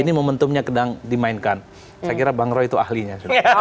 ini momentumnya sedang dimainkan saya kira bang roy itu ahlinya